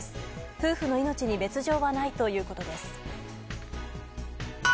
夫婦の命に別条はないということです。